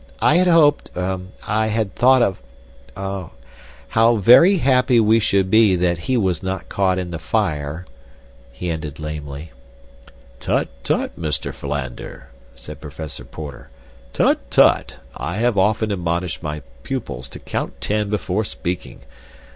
I had hoped, er—I had thought or—er—how very happy we should be that he was not caught in the fire," he ended lamely. "Tut, tut! Mr. Philander," said Professor Porter. "Tut, tut! I have often admonished my pupils to count ten before speaking.